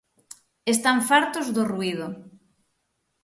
Están fartos do ruído.